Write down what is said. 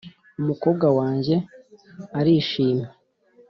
"umukobwa wanjye arishimye,